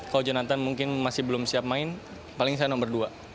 kalau jonathan mungkin masih belum siap main paling saya nomor dua